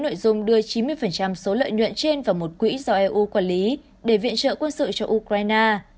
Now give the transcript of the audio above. nội dung đưa chín mươi số lợi nhuận trên vào một quỹ do eu quản lý để viện trợ quân sự cho ukraine